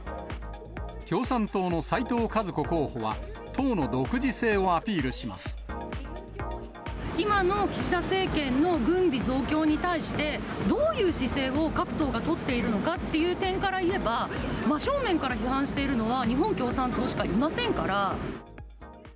共産党の斉藤和子候補は、今の岸田政権の軍備増強に対して、どういう姿勢を各党が取っているのかっていう点から言えば、真正面から批判しているのは日本共産党しかいませんから。